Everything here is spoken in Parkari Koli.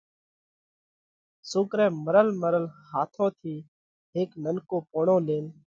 سوڪرئہ مرل مرل هاٿون ٿِي هيڪ ننڪو پوڻو لينَ